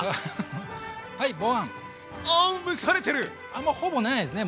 あんまほぼないですね